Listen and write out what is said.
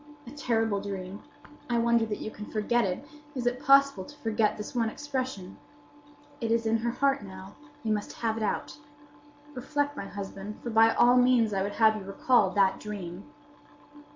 "A terrible dream! I wonder that you can forget it. Is it possible to forget this one expression?—'It is in her heart now; we must have it out!' Reflect, my husband; for by all means I would have you recall that dream."